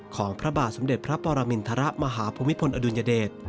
ของพระบาทสมเด็จพระปรมินทรมาหาภูมิพลอดุลยเดช